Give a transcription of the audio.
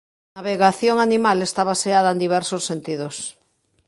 A navegación animal está baseada en diversos sentidos.